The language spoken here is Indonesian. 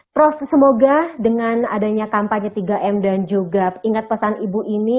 prof semoga dengan adanya kampanye tiga m dan juga ingat pesan ibu ini